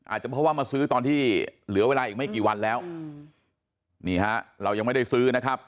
อาจจะเพราะว่ามาซื้อตอนที่เหลือเวลาอีกไม่กี่วันแล้วนี่ฮะเรายังไม่ได้ซื้อนะครับ